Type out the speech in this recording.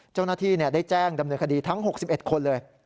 เจ้าหน้าที่ได้แจ้งดำเนินคดีทั้ง๖๑คนเลย